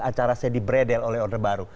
acara saya di bredel oleh order baru